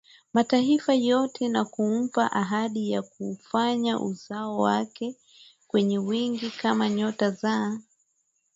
Mataifa yote na kumpa ahadi ya kuufanya uzao wake kuwa wengi kama nyota za